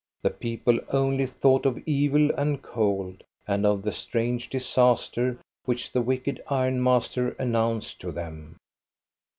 The peo ple only thought of evil and cold and of the strange disaster which the wicked ironmaster announced to them.